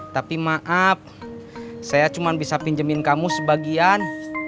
tapi maaf saya cuma bisa pinjemin kamu sebagian